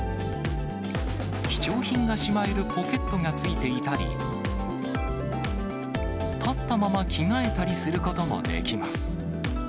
貴重品がしまえるポケットがついていたり、立ったまま着替えたりすることもできます。